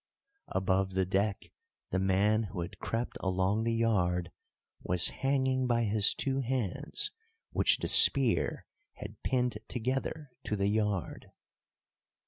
Above the deck the man who had crept along the yard was hanging by his two hands which the spear had pinned together to the yard.